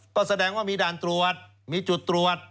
ก็แสดงว่ามีด่านตรวจมีจุดตรวจ